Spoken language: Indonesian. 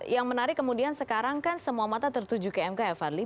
yang menarik kemudian sekarang kan semua mata tertuju ke mk ya fadli